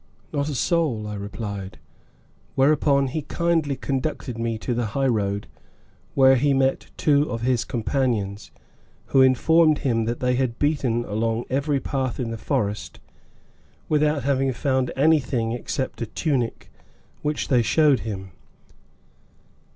"Not a soul," I replied, whereupon he kindly conducted me to the high road, where he met two of his companions, who informed him that they had beaten along every path in the forest without having found anything except a tunic, which they showed him.